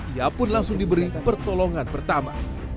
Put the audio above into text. ia pun langsung diberi pertolongan pertama